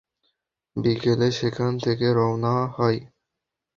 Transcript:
বিকেলে সেখান থেকে রওনা হয়।